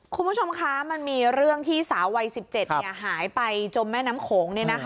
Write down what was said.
คุณผู้ชมคะมันมีเรื่องที่สาววัย๑๗หายไปจมแม่น้ำโขง